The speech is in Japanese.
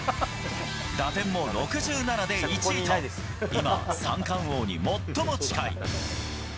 打点も６７で１位と、今、三冠王に最も近い。